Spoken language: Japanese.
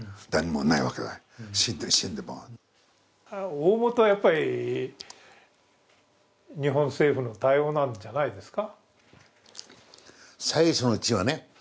大元はやっぱり、日本政府の対応なんじゃないですか？